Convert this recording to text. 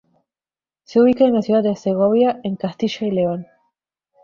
Se ubica en la ciudad de Segovia, en Castilla y León.